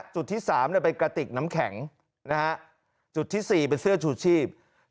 จุดที่๓เป็นกระติกน้ำแข็งจุดที่๔เป็นเสื้อชูชีพ